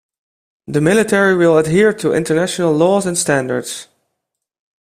The Military will adhere to international laws and standards.